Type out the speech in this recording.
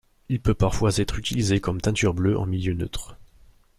Il peut parfois être utilisé comme teinture bleue en milieu neutre.